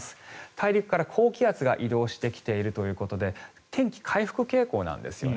大陸から高気圧が移動してきているということで天気、回復傾向なんですよね。